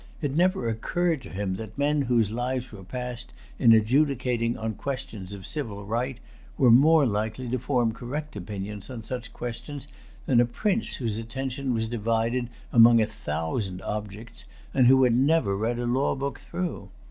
It never occurred to him that men whose lives were passed in adjudicating on questions of civil right were more likely to form correct opinions on such questions than a prince whose attention was divided among a thousand objects, and who had never read a law book through.